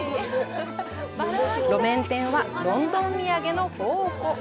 路面店は、ロンドン土産の宝庫。